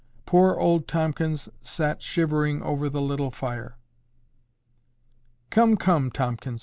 Poor old Tomkins sat shivering over the little fire. "Come, come, Tomkins!